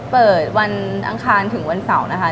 เปิดวันอังคารถึงวันเสาร์นะคะ